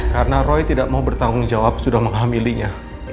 karena roy tidak mau bertanggung jawab sudah menghamilinya